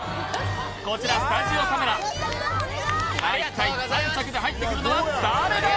こちらスタジオカメラさあ一体３着で入ってくるのは誰だ？